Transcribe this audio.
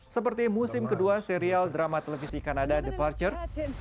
seperti musim kedua serial drama televisi kanada departure